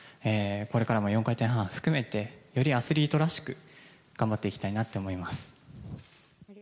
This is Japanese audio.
これからも４回転半を含めてよりアスリートらしく頑張っていきたいなと思っています。